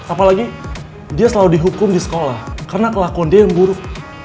apalagi dia selalu dihukum di sekolah karena kelakuan dia yang buruk